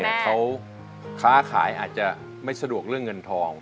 เพราะบางทีเขาค้าขายอาจจะไม่สะดวกเรื่องเงินทอง